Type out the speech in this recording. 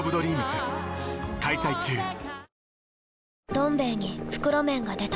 「どん兵衛」に袋麺が出た